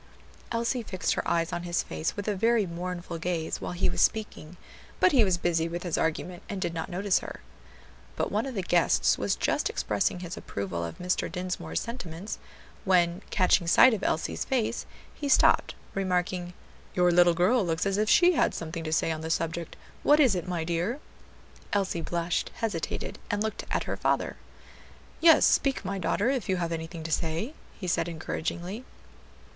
Elsie fixed her eyes on his face with a very mournful gaze while he was speaking, but he was busy with his argument and did not notice her. But one of the guests was just expressing his approval of Mr. Dinsmore's sentiments, when catching sight of Elsie's face, he stopped, remarking, "Your little girl looks as if she had something to say on the subject; what is it, my dear?" Elsie blushed, hesitated, and looked at her father. "Yes, speak, my daughter, if you have anything to say," he said encouragingly.